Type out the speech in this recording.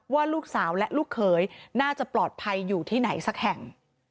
ว่าลูกสาวและลูกเขยน่าจะปลอดภัยอยู่ที่ไหนสักแห่ง